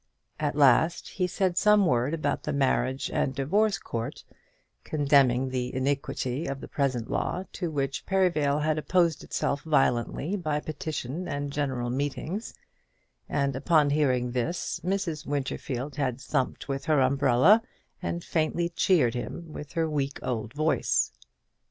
At last he said some word about the marriage and divorce court, condemning the iniquity of the present law, to which Perivale had opposed itself violently by petition and general meetings; and upon hearing this Mrs. Winterfield had thumped with her umbrella, and faintly cheered him with her weak old voice.